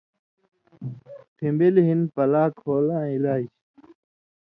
پِھݩبِل ہِن پلاک ہولاں علاج